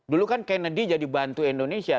dulu kan kennedy jadi bantu indonesia